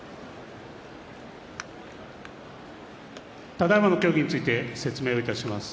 ただいまの協議について説明をいたします。